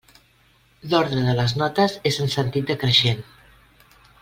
L'ordre de les notes és en sentit decreixent.